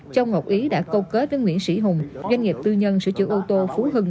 châu ngọc ý đã câu kết với nguyễn sĩ hùng doanh nghiệp tư nhân sửa chữa ô tô phú hưng